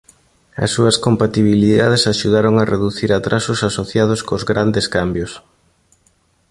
As súas compatibilidades axudaron a reducir atrasos asociados cos grandes cambios.